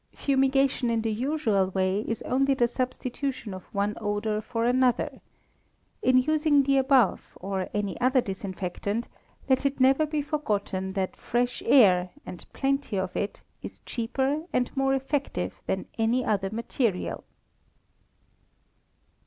Fumigation in the usual way is only the substitution of one odour for another. In using the above, or any other disinfectant, let it never be forgotten that fresh air, and plenty of it, is cheaper and more effective than any other material.